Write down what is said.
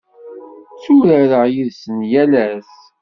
Tturareɣ yid-sen yal ass.